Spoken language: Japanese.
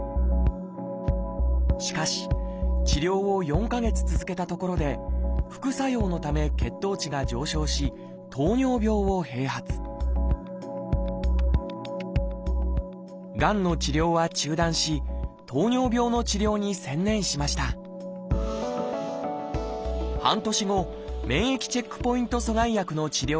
しかし治療を４か月続けたところで副作用のため血糖値が上昇し糖尿病を併発がんの治療は中断し糖尿病の治療に専念しました半年後免疫チェックポイント阻害薬の治療を再開。